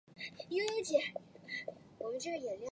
建安十九年为曹操击败。